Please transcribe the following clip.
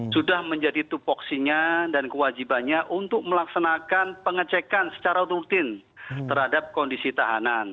sudah menjadi tupoksinya dan kewajibannya untuk melaksanakan pengecekan secara rutin terhadap kondisi tahanan